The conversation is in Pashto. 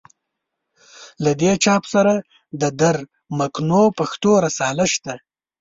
له دې چاپ سره د در مکنون پښتو رساله شته.